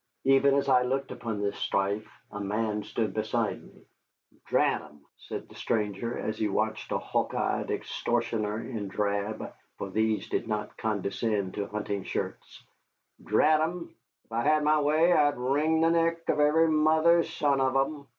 Even as I looked upon this strife a man stood beside me. "Drat 'em," said the stranger, as he watched a hawk eyed extortioner in drab, for these did not condescend to hunting shirts, "drat 'em, ef I had my way I'd wring the neck of every mother's son of 'em."